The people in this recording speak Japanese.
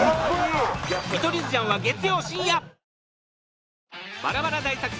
『見取り図じゃん』は月曜深夜！